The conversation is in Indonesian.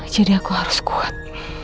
jadi aku harus kuat